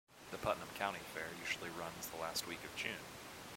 The Putnam County Fair usually runs the last week of June.